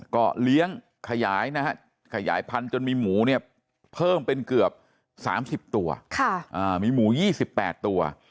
ก็เลี้ยงขยายนะฮะขยายพันธุ์จนมีหมูเนี่ยเพิ่มเป็นเกือบ๓๐ตัวมีหมู๒๘ตัว